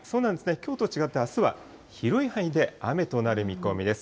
きょうと違って、あすは広い範囲で雨となる見込みです。